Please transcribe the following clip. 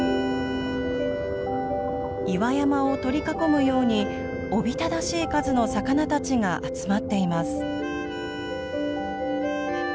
岩山を取り囲むようにおびただしい数の魚たちが集まっています。